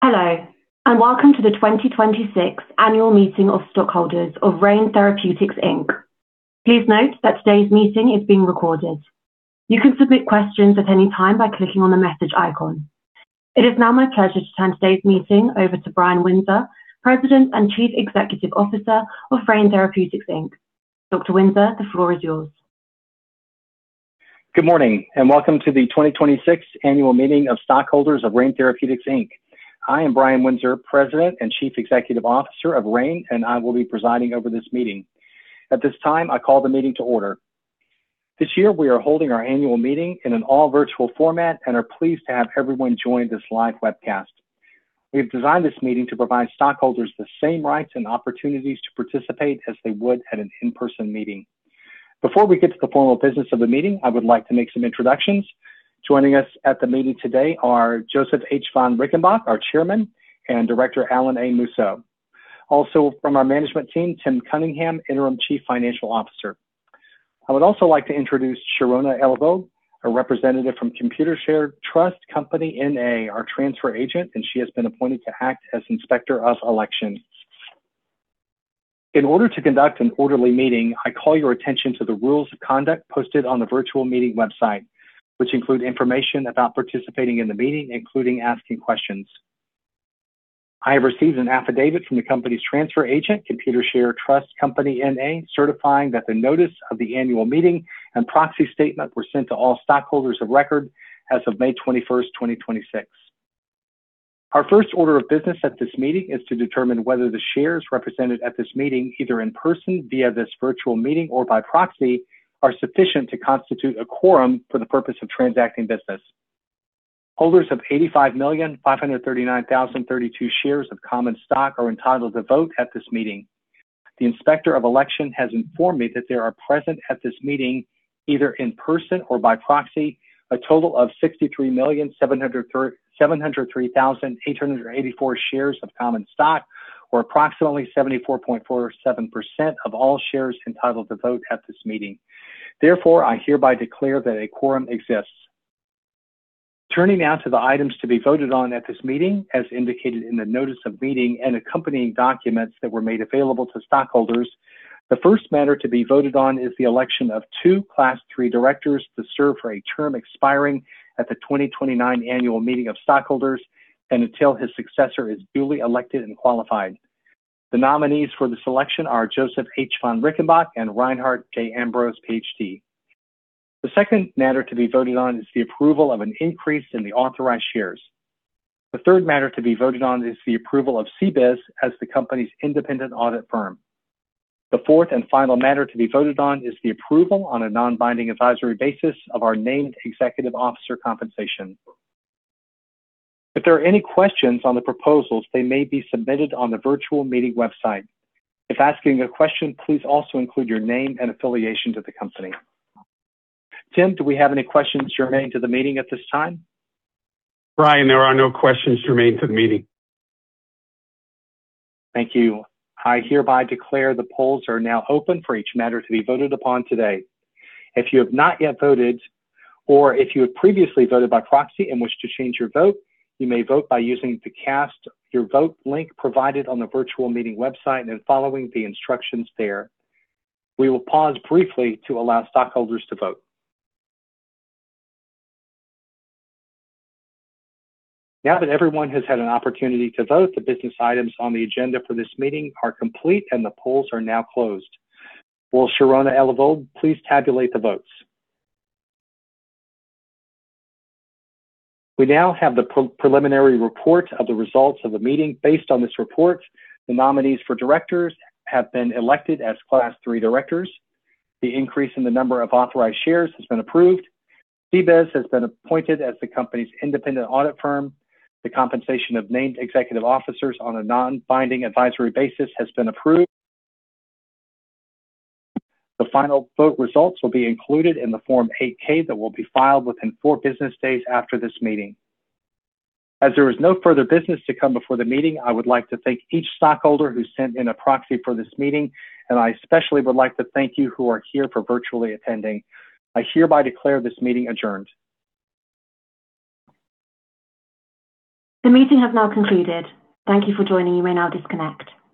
Hello, welcome to the 2026 annual meeting of stockholders of Rein Therapeutics, Inc. Please note that today's meeting is being recorded. You can submit questions at any time by clicking on the message icon. It is now my pleasure to turn today's meeting over to Brian Windsor, President and Chief Executive Officer of Rein Therapeutics, Inc. Dr. Windsor, the floor is yours. Good morning, welcome to the 2026 annual meeting of stockholders of Rein Therapeutics, Inc. I am Brian Windsor, President and Chief Executive Officer of Rein, I will be presiding over this meeting. At this time, I call the meeting to order. This year, we are holding our annual meeting in an all virtual format and are pleased to have everyone join this live webcast. We have designed this meeting to provide stockholders the same rights and opportunities to participate as they would at an in-person meeting. Before we get to the formal business of the meeting, I would like to make some introductions. Joining us at the meeting today are Josef H. von Rickenbach, our Chairman, and Director Alan A. Musso. Also from our management team, Tim Cunningham, Interim Chief Financial Officer. I would also like to introduce Sharona Ellvaug, a representative from Computershare Trust Company, N.A., our transfer agent, she has been appointed to act as Inspector of Election. In order to conduct an orderly meeting, I call your attention to the rules of conduct posted on the virtual meeting website, which include information about participating in the meeting, including asking questions. I have received an affidavit from the company's transfer agent, Computershare Trust Company, N.A., certifying that the notice of the annual meeting and proxy statement were sent to all stockholders of record as of May 21st, 2026. Our first order of business at this meeting is to determine whether the shares represented at this meeting, either in person via this virtual meeting or by proxy, are sufficient to constitute a quorum for the purpose of transacting business. Holders of 85,539,032 shares of common stock are entitled to vote at this meeting. The Inspector of Election has informed me that there are present at this meeting, either in person or by proxy, a total of 63,703,884 shares of common stock, or approximately 74.47% of all shares entitled to vote at this meeting. I hereby declare that a quorum exists. Turning now to the items to be voted on at this meeting, as indicated in the notice of meeting and accompanying documents that were made available to stockholders, the first matter to be voted on is the election of two Class III directors to serve for a term expiring at the 2029 annual meeting of stockholders and until his successor is duly elected and qualified. The nominees for the selection are Josef H. von Rickenbach and Reinhard J. Ambros, PhD. The second matter to be voted on is the approval of an increase in the authorized shares. The third matter to be voted on is the approval of CBIZ as the company's independent audit firm. The fourth and final matter to be voted on is the approval on a non-binding advisory basis of our named executive officer compensation. If there are any questions on the proposals, they may be submitted on the virtual meeting website. If asking a question, please also include your name and affiliation to the company. Tim, do we have any questions remaining to the meeting at this time? Brian, there are no questions to remain to the meeting. Thank you. I hereby declare the polls are now open for each matter to be voted upon today. If you have not yet voted, or if you had previously voted by proxy and wish to change your vote, you may vote by using the Cast your Vote link provided on the virtual meeting website and then following the instructions there. We will pause briefly to allow stockholders to vote. Now that everyone has had an opportunity to vote, the business items on the agenda for this meeting are complete, and the polls are now closed. Will Sharona Ellvaug please tabulate the votes? We now have the preliminary report of the results of the meeting. Based on this report, the nominees for directors have been elected as Class III directors. The increase in the number of authorized shares has been approved. CBIZ has been appointed as the company's independent audit firm. The compensation of named executive officers on a non-binding advisory basis has been approved. The final vote results will be included in the Form 8-K that will be filed within four business days after this meeting. As there is no further business to come before the meeting, I would like to thank each stockholder who sent in a proxy for this meeting, and I especially would like to thank you who are here for virtually attending. I hereby declare this meeting adjourned. The meeting has now concluded. Thank you for joining. You may now disconnect.